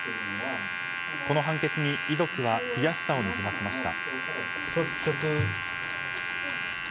この判決に遺族は悔しさをにじませました。